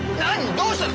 どうしたの！